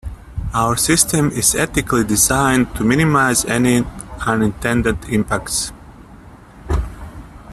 Our system is ethically designed to minimize any unintended impacts.